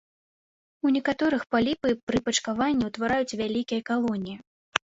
У некаторых паліпы пры пачкаванні ўтвараюць вялікія калоніі.